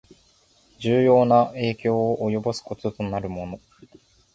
重要な影響を及ぼすこととなるもの